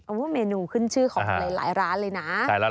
โอ้โหเมนูขึ้นชื่อของหลายร้านเลยนะ